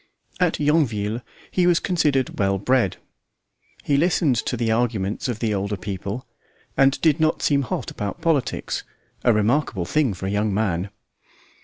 At Yonville he was considered "well bred." He listened to the arguments of the older people, and did not seem hot about politics a remarkable thing for a young man.